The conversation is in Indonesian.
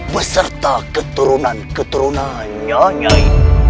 beserta keturunan keturunan nyanyai